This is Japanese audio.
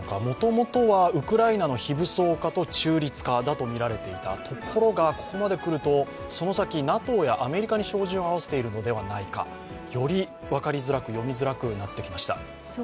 もともとはウクライナの非武装化と中立化だとみられていたところが、ここまでくるとその先、ＮＡＴＯやアメリカに照準を合わせているのではないかより分かりづらく、読みづらくなってきました。